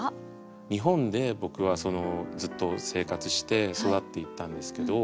日本で僕はずっと生活して育っていったんですけど。